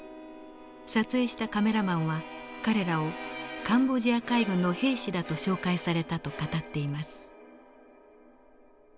撮影したカメラマンは彼らをカンボジア海軍の兵士だと紹介されたと語っています。